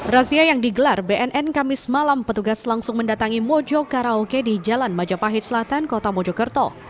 razia yang digelar bnn kamis malam petugas langsung mendatangi mojo karaoke di jalan majapahit selatan kota mojokerto